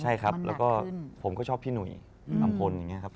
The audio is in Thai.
ใช่ครับแล้วก็ผมก็ชอบพี่หนุ่ยอำพลอย่างนี้ครับ